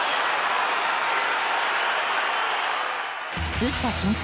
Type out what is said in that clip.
打った瞬間